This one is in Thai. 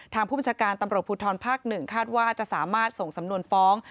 ทางผู้บัญชาการตำรวจภูทรภาค๑คาดว่าจะสามารถส่งสำนวนฟ้อง